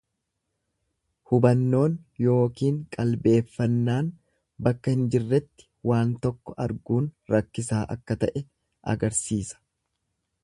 Hubannoon yookiin qalbeeffannaan bakka hin jirretti waan tokko arguun rakkisaa akka ta'e agarsiisa.